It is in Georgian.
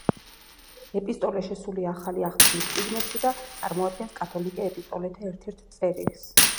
ეპისტოლე შესულია ახალი აღთქმის წიგნებში და წარმოადგენს კათოლიკე ეპისტოლეთა ერთ–ერთ წერილს.